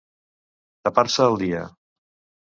Tapar-se el dia.